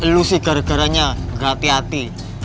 lu sih gara garanya nggak hati hati